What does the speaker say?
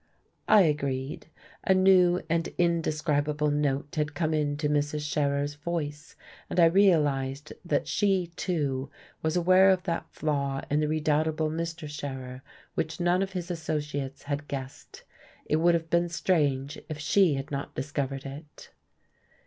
I agreed. A new and indescribable note had come into Mrs. Scherer's voice, and I realized that she, too, was aware of that flaw in the redoubtable Mr. Scherer which none of his associates had guessed. It would have been strange if she had not discovered it.